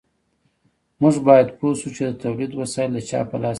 موږ باید پوه شو چې د تولید وسایل د چا په لاس کې دي.